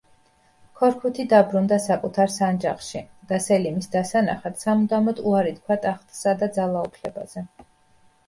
ქორქუთი დაბრუნდა საკუთარ სანჯაყში და სელიმის დასანახად, სამუდამოდ უარი თქვა ტახტსა და ძალაუფლებაზე.